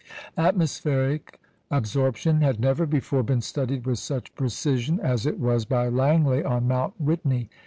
Atmospheric absorption had never before been studied with such precision as it was by Langley on Mount Whitney.